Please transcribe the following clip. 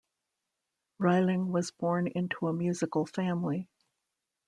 Rilling was born into a musical family.